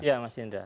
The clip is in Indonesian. ya mas indra